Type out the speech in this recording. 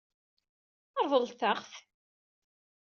Ṛeḍlet-aɣ-t.